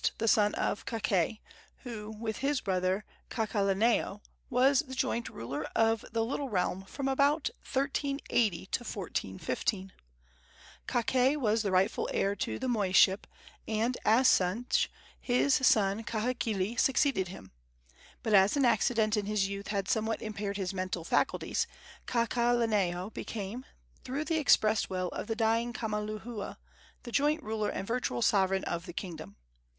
the son of Kakae, who, with his brother, Kakaalaneo, was the joint ruler of the little realm from about 1380 to 1415. Kakae was the rightful heir to the moiship, and, as such, his son Kahekili succeeded him; but as an accident in his youth had somewhat impaired his mental faculties, Kakaalaneo became, through the expressed will of the dying Kamaloohua, the joint ruler and virtual sovereign of the kingdom.